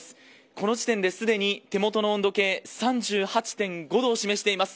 この時点で、すでに手元の温度計３８．５度を示しています。